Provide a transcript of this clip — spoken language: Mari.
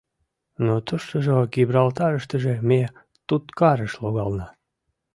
Но туштыжо, Гибралтарыштыже, ме туткарыш логална.